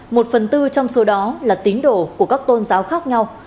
một phần tư trong số đó là tín đồ của các tôn giáo khác nhau